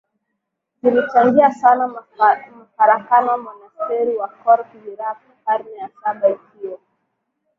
zilichangia sana mafarakano Monasteri ya Khor Virap karne ya Saba ikiwa